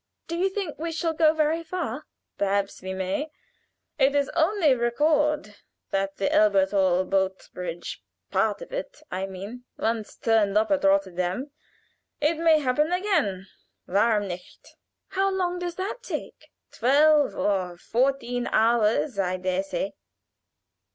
"Do you think we shall go very far?" "Perhaps we may. It is on record that the Elberthal boat bridge part of it, I mean once turned up at Rotterdam. It may happen again, warum nicht?" "How long does that take?" "Twelve or fourteen hours, I dare say."